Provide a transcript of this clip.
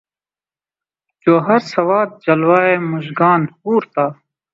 جوہر سواد جلوۂ مژگان حور تھا